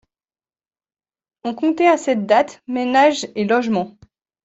On comptait à cette date ménages et logements.